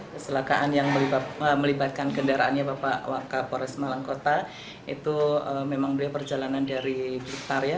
kecelakaan yang melibatkan kendaraannya pak wakapolres malangkota itu memang dia perjalanan dari blitar ya